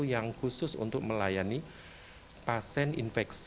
yang khusus untuk melayani pasien infeksi